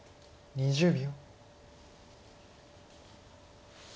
２０秒。